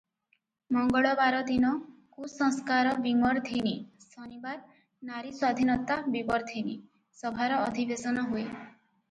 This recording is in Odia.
ମଙ୍ଗଳବାର ଦିନ 'କୁସଂସ୍କାର-ବିମର୍ଦ୍ଦିନି' ଶନିବାର 'ନାରୀସ୍ୱାଧୀନତା-ବିବର୍ଦ୍ଧିନୀ' ସଭାର ଅଧିବେଶନ ହୁଏ ।